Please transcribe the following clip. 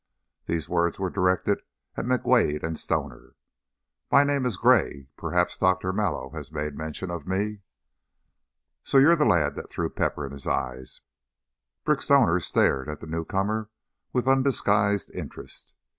These words were directed at McWade and Stoner. "My name is Gray. Perhaps Doctor Mallow has made mention of me." "So you're the lad that threw pepper in his eyes?" Brick Stoner stared at the newcomer with undisguised interest.